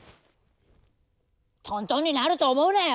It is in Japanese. トントンになると思うなよ！